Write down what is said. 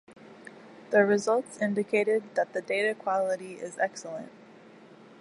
The results indicated that the data quality is excellent.